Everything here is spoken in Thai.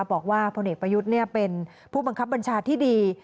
พลเอกประยุทธ์เป็นผู้บังคับบัญชาที่ดี